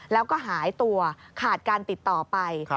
แล้วก็หายตัวขาดการติดต่อไป